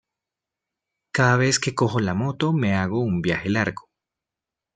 Cada vez que cojo la moto me hago un viaje largo.